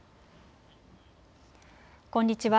こんにちは。